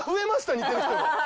似てる人が。